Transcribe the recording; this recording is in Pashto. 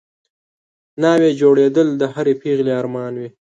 ناوې جوړېدل د هرې پېغلې ارمان وي